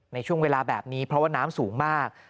ในช่วงเวลาแบบนี้เพราะว่าน้ำสูงมาก